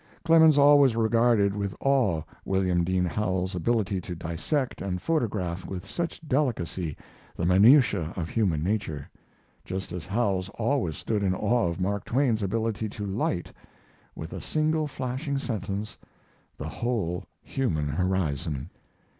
Clemens always regarded with awe William Dean Howells's ability to dissect and photograph with such delicacy the minutiae of human nature; just as Howells always stood in awe of Mark Twain's ability to light, with a single flashing sentence, the whole human horizon.